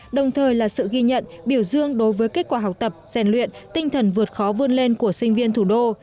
đồng thời là sự ghi nhận biểu dương đối với kết quả học tập rèn luyện tinh thần vượt khó vươn lên của sinh viên thủ đô